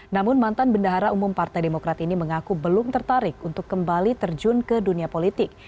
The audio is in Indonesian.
namun mantan bendahara umum partai demokrat ini mengaku belum tertarik untuk kembali terjun ke dunia politik